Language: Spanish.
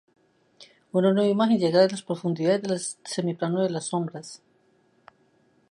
Una nueva magia llega de las profundidades del semiplano de las sombras.